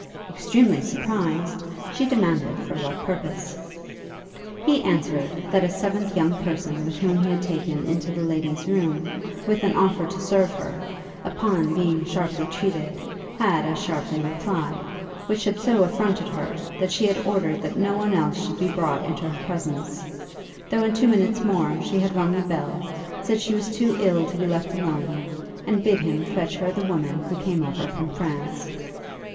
Extremely surprised, she demanded for what purpose. He answered, that a seventh young person whom he had taken into the lady's room, with an offer to serve her, upon being sharply treated, had as sharply replied; which had so affronted her, that she had ordered that no one else should be brought into her presence; though in two minutes more, she had rung the bell, said she was too ill to be left alone, and bid him fetch her the woman who came over from France.